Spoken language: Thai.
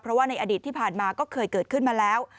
เพราะว่าในอดีตที่ผ่านมาก็เคยเกิดขึ้นมาแล้ว